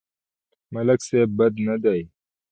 ملک صيب بد نه دی.